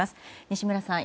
西村さん